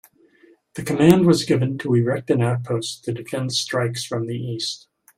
The command was given to erect an outpost to defend strikes from the east.